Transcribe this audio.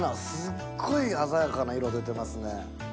すっごい鮮やかな色出てますね。